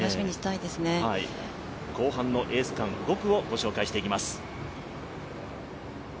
後半のエース区間５区をご紹介していきます。